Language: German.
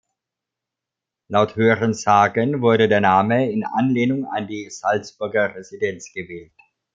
Laut Hörensagen wurde der Name in Anlehnung an die Salzburger Residenz gewählt.